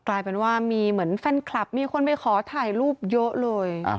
กลายเป็นว่ามีเหมือนแฟนคลับมีคนไปขอถ่ายรูปเยอะเลย